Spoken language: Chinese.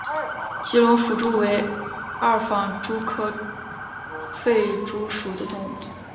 吉隆狒蛛为二纺蛛科狒蛛属的动物。